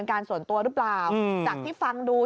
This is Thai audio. ครับผม